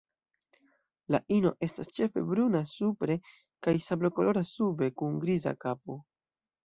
La ino estas ĉefe bruna supre kaj sablokolora sube, kun griza kapo.